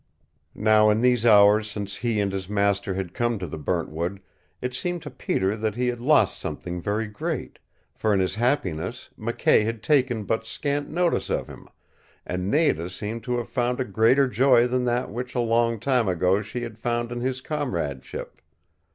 Now in these hours since he and his master had come to the Burntwood it seemed to Peter that he had lost something very great, for in his happiness McKay had taken but scant notice of him, and Nada seemed to have found a greater joy than that which a long time ago she had found in his comradeship.